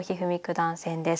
段戦です。